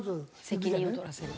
責任を取らせる。